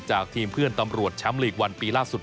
ทีมเพื่อนตำรวจแชมป์ลีกวันปีล่าสุด